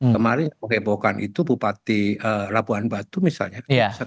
kemarin kehebohkan itu bupati labuan batu misalnya